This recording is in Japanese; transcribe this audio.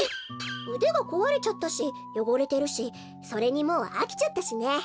うでがこわれちゃったしよごれてるしそれにもうあきちゃったしね。